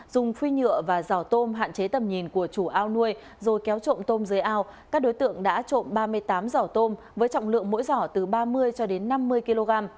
dùng phi nhựa và dò tôm hạn chế tầm nhìn của chủ ao nuôi rồi kéo trộm tôm dưới ao các đối tượng đã trộm ba mươi tám giỏ tôm với trọng lượng mỗi giỏ từ ba mươi cho đến năm mươi kg